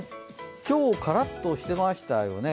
今日、カラッとしてましたよね。